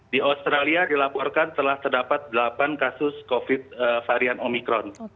di australia dilaporkan telah terdapat delapan kasus covid varian omikron